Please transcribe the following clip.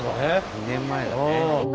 ２年前だね。